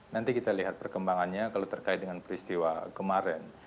nanti kita lihat perkembangannya kalau terkait dengan peristiwa kemarin